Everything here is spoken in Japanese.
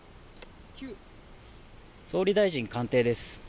総理大臣官邸です。